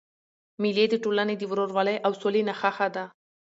مېلې د ټولني د ورورولۍ او سولي نخښه ده.